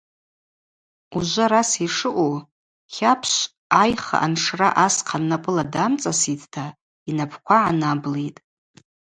Ужвы араса йшаъу Тлапшв айха аншра асхъан напӏыла дамцӏаситӏта йнапӏква гӏанаблитӏ.